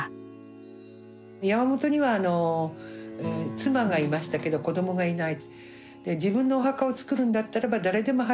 山本には妻がいましたけど子どもがいない。